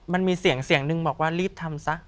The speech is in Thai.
มันมีเสียงนึงบอกว่ารีบทำซะ